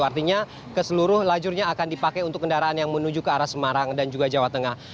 artinya keseluruh lajurnya akan dipakai untuk kendaraan yang menuju ke arah semarang dan juga jawa tengah